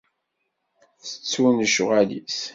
Ttettun lecɣal-is.